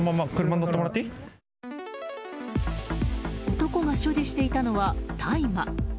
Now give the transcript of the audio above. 男が所持していたのは大麻。